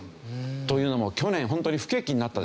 というのも去年本当に不景気になったでしょ。